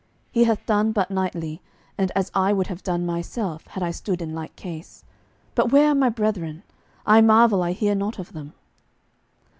He hath done but knightly, and as I would have done myself, had I stood in like case. But where are my brethren? I marvel I hear not of them."